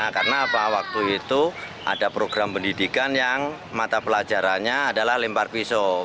karena waktu itu ada program pendidikan yang mata pelajarannya adalah lempar pisau